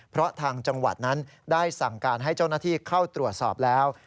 เพราะทางจังหวัดนั้นได้สั่งการให้เจ้าหน้าที่เข้าตรวจสอบแล้ว